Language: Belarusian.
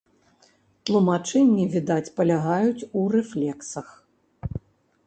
Тлумачэнні, відаць, палягаюць у рэфлексах.